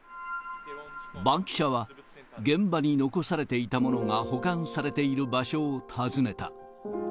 バンキシャは、現場に残されていたものが保管されている場所を訪ねた。